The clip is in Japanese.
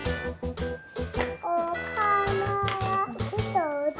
おはながひとつ！